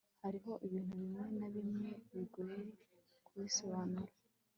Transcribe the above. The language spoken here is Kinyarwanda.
Hariho ibintu bimwe na bimwe bigoye kubisobanura